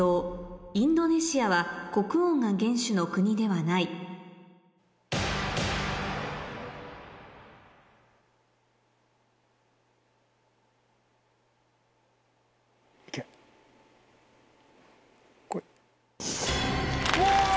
「インドネシアは国王が元首の国ではない」うお！